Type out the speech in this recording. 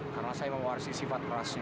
karena saya mewarisi sifat kerasnya